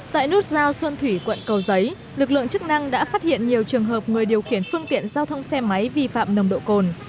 tại nút giao xuân thủy quận cầu giấy lực lượng chức năng đã phát hiện nhiều trường hợp người điều khiển phương tiện giao thông xe máy vi phạm nồng độ cồn